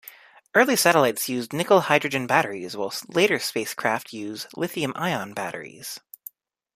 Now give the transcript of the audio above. Early satellites used nickel-hydrogen batteries, while later spacecraft use lithium-ion batteries.